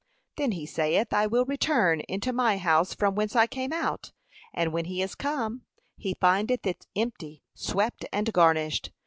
Then he saith, I will return into my house from whence I came out; and when he is come, he findeth it empty, swept, and garnished.